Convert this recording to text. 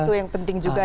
itu yang penting juga ya